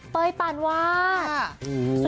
เบย์ป่านวาด